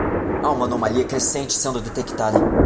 Há uma anomalia crescente sendo detectada